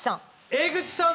江口さん